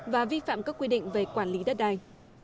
và vi phạm các quy định về quản lý đất đai